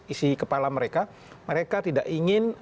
isi kepala mereka mereka tidak ingin